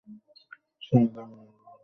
সাড়া দাও, বন্ধুরা, কী পেলে?